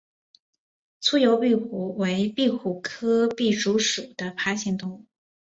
粗疣壁虎为壁虎科壁虎属的爬行动物。